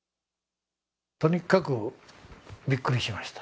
とにかくびっくりしました。